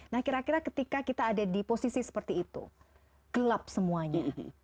nah kira kira ketika kita ada di posisi seperti itu gelap semuanya